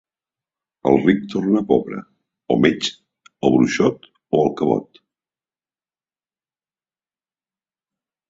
El ric tornar pobre, o metge, o bruixot, o alcavot.